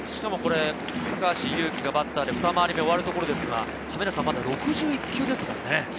高橋優貴がバッターでふた回り目終わるところですが、まだ６１球ですもんね。